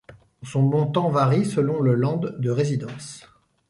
Son montant varie selon le Land de résidence.